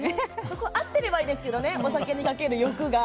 合ってればいいですけどねお酒にかける欲が。